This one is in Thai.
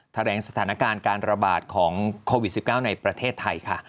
แถลงสถานการณ์การระบาดของโควิด๑๙ในประเทศไทยค่ะ